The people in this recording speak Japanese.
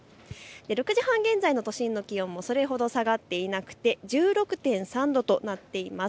６時半現在の都心の気温もそれほど下がっていなくて１６．３度となっています。